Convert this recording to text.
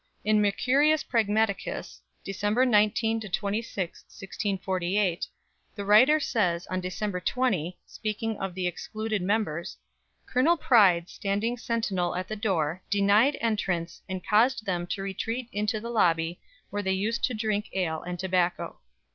In "Mercurius Pragmaticus," December 19 26, 1648, the writer says on December 20, speaking of the excluded members: "Col. Pride standing sentinell at the door, denyed entrance, and caused them to retreat into the Lobby where they used to drink ale and tobacco."